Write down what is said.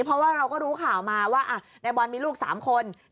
เพราะว่าเราก็รู้ข่าวมาว่านายบอลมีลูก๓คน